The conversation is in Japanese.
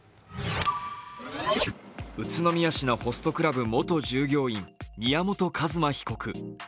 宇都宮市のホストクラブ元従業員、宮本一馬被告。